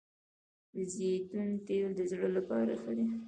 د زیتون تېل د زړه لپاره ښه دي